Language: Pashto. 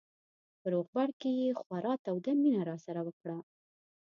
په روغبړ کې یې خورا توده مینه راسره وکړه.